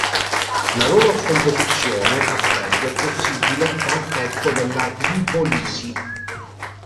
La loro scomposizione a freddo è possibile per effetto della Lipolisi.